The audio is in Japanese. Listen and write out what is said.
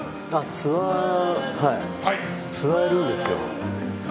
ツアーやるんですよ。